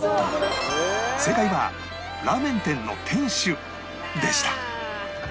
正解はラーメン店の店主でした